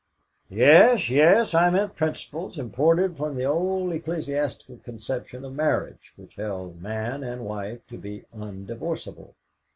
"Yes, yes; I meant principles imported from the old ecclesiastical conception of marriage, which held man and wife to be undivorceable.